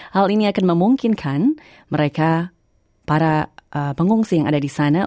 hal ini akan memungkinkan mereka para pengungsi yang ada di sana